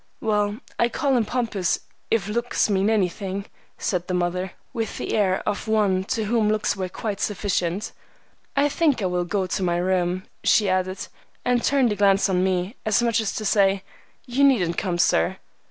"Well, I call him pompous, if looks mean anything," said the mother, with the air of one to whom looks were quite sufficient. "I think I will go to my room," she added, and turned a glance on me, as much as to say, "You needn't come, sir."